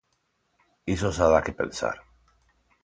Iso xa da que pensar.